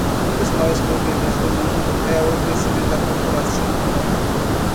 Um dos maiores problemas do mundo é o crescimento da população humana.